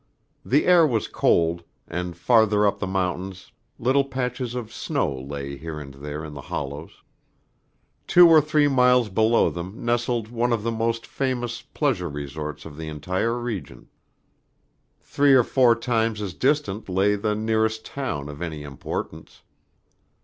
The air was cold, and farther up the mountains little patches of snow lay here and there in the hollows. Two or three miles below them nestled one of the most famous pleasure resorts of the entire region. Three or four times as distant lay the nearest town of any importance.